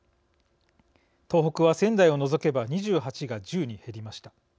東北は仙台を除けば２８が１０に減りました。